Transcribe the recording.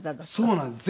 そうなんです。